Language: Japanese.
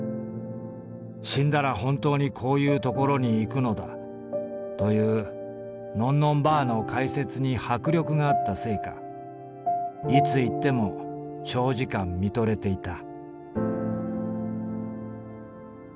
死んだらほんとうにこういうところに行くのだというのんのんばあの解説に迫力があったせいかいつ行っても長時間見とれていた」。